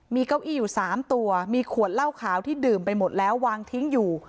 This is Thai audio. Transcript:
มีเก้าอี้อยู่๓ตัวมีขวดเหล้าขาวที่ดื่มไปหมดแล้ววางทิ้งอยู่